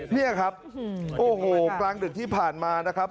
นี่ครับโอ้โหกลางดึกที่ผ่านมานะครับ